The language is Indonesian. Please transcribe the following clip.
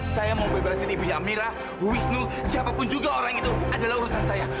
saya mau bebalasin ibunya amira wisnu siapapun juga orang itu adalah urusan saya